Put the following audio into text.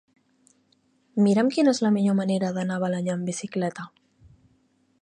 Mira'm quina és la millor manera d'anar a Balenyà amb bicicleta.